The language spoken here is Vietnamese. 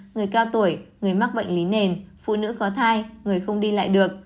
người cao tuổi người mắc bệnh lý nền phụ nữ có thai người không đi lại được